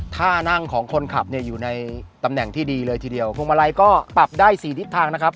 ท่านั่งของคนขับเนี่ยอยู่ในตำแหน่งที่ดีเลยทีเดียวพวงมาลัยก็ปรับได้สี่ทิศทางนะครับ